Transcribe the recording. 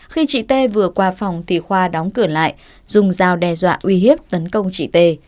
khi chị t vừa qua phòng thì khoa đóng cửa lại dùng dao đe dọa uy hiếp tấn công chị t